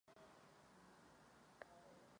Musí dostat míč pryč z vlastního pokutového území.